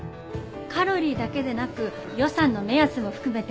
カロリーだけでなく予算の目安も含めて考えてみて。